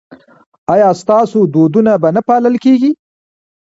ایا ستاسو دودونه به نه پالل کیږي؟